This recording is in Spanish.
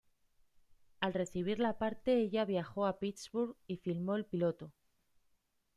Al recibir la parte ella viajó a Pittsburgh y filmó el piloto.